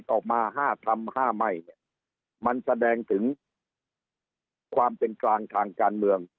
ออกมา๕ทำ๕ไม่เนี่ยมันแสดงถึงความเป็นกลางทางการเมือง